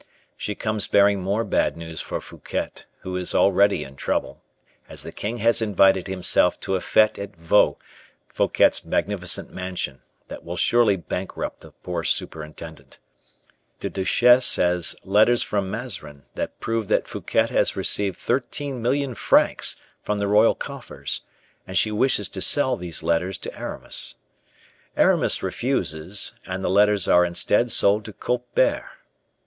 She comes bearing more bad news for Fouquet, who is already in trouble, as the king has invited himself to a fete at Vaux, Fouquet's magnificent mansion, that will surely bankrupt the poor superintendent. The Duchesse has letters from Mazarin that prove that Fouquet has received thirteen million francs from the royal coffers, and she wishes to sell these letters to Aramis. Aramis refuses, and the letters are instead sold to Colbert.